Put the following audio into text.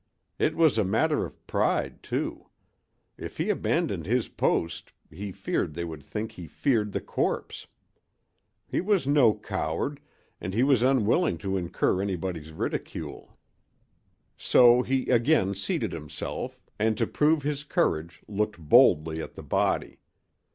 It was a matter of pride, too. If he abandoned his post he feared they would think he feared the corpse. He was no coward and he was unwilling to incur anybody's ridicule. So he again seated himself, and to prove his courage looked boldly at the body.